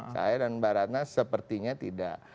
saya dan mbak ratna sepertinya tidak